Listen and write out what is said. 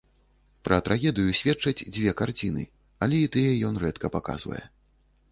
Пра трагедыю сведчаць дзве карціны, але і тыя ён рэдка паказвае.